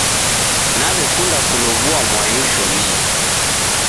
Naw'ekunda kulow'ua mwai ushomie.